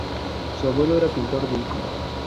Su abuelo era pintor de iconos.